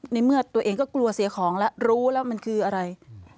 ในเมื่อตัวเองก็กลัวเสียของแล้วรู้แล้วมันคืออะไร